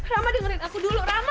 rama dengerin aku dulu rama